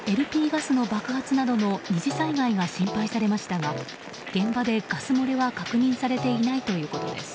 ＬＰガスの爆発などの２次災害が心配されましたが現場でガス漏れは確認されていないということです。